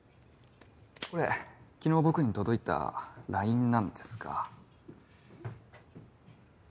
これ昨日僕に届いたＬＩＮＥなんですが。